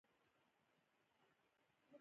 • د ورځې تودوخه د بدن لپاره ضروري ده.